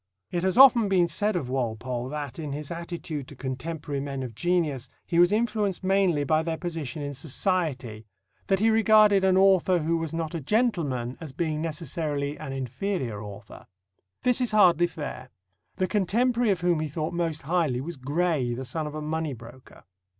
It has often been said of Walpole that, in his attitude to contemporary men of genius, he was influenced mainly by their position in Society that he regarded an author who was not a gentleman as being necessarily an inferior author. This is hardly fair. The contemporary of whom he thought most highly was Gray, the son of a money broker.